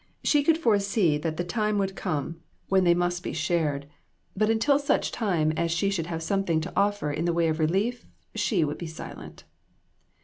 She could foresee that the time would come when they INTRICACIES. 279 must be shared, but until such time as she should have something to offer in the way of relief, she would be silent.